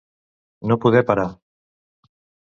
No poder parar.